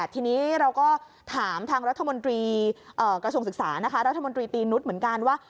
ทีนี้เราก็ถามทางรัฐมนตรีกระทรวงศึกษานะคะรัฐมนตรีตีนุษย์เหมือนกันว่า